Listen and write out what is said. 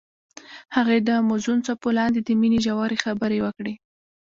هغوی د موزون څپو لاندې د مینې ژورې خبرې وکړې.